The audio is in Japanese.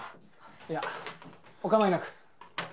いやお構いなく。